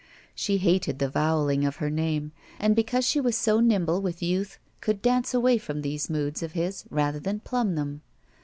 She hated the voweling of her name, and because she was so nimble with youth could dance away from these moods of his rather th^ plumb them.